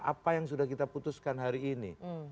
apa yang sudah kita putuskan hari ini